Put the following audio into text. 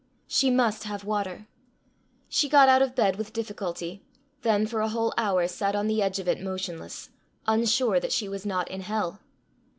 She must have water! She got out of bed with difficulty, then for a whole hour sat on the edge of it motionless, unsure that she was not in hell.